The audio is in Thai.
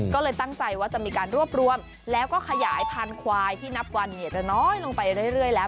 ก็เลยตั้งใจว่าจะมีการรวบรวมแล้วก็ขยายพันธุ์ควายที่นับวันจะน้อยลงไปเรื่อยแล้ว